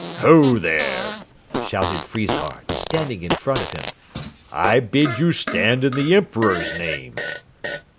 "Ho, there!" shouted Friesshardt, standing in front of him. "I bid you stand in the Emperor's name."